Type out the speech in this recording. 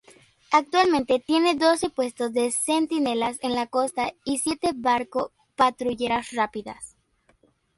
Actualmente tiene doce puestos de centinelas en la costa y siete barco patrulleras rápidas.